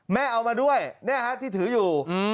แม่เอามาด้วยแน่ฮัตที่ถืออยู่